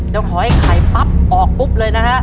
เดี๋ยวขอให้ไขปั๊บออกปุ๊บเลยนะฮะ